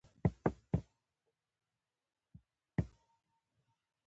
زه خپل غوره نظرونه له دې ناولونو څخه اخلم